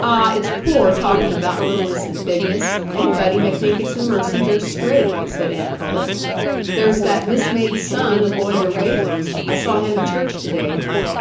"Ah, it's poor talking about littleness and bigness,—anybody may think it's a mercy they're straight," said aunt Pullet. "There's that mismade son o' Lawyer Wakem's, I saw him at church to day.